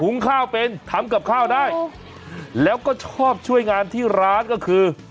งข้าวเป็นทำกับข้าวได้แล้วก็ชอบช่วยงานที่ร้านก็คือ